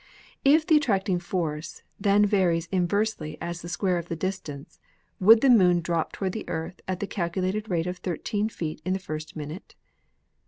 If the attracting force then varies inversely as the square of the distance, would the Moon drop toward the Earth at the calculated rate of thirteen feet in the first minute?